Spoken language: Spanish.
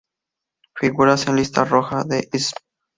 Figura en "listas rojas" de spp.